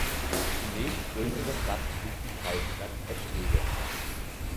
Die nächstgrößere Stadt ist die Kreisstadt Eschwege.